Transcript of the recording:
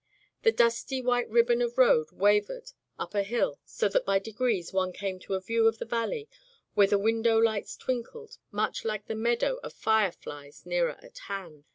The dusty white ribbon of road wavered up a hill so that by degrees one came to a view of the valley, where the win dow lights twinkled, much like the meadow of fire flies nearer at hand.